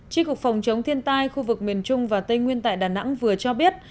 tri cục phòng chống thiên tai khu vực miền trung và tây nguyên tại đà nẵng vừa cho biết